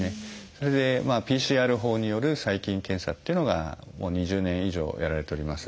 それでＰＣＲ法による細菌検査っていうのがもう２０年以上やられております。